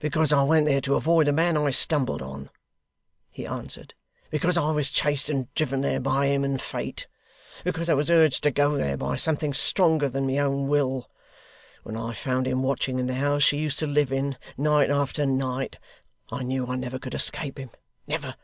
'Because I went there to avoid the man I stumbled on,' he answered. 'Because I was chased and driven there, by him and Fate. Because I was urged to go there, by something stronger than my own will. When I found him watching in the house she used to live in, night after night, I knew I never could escape him never!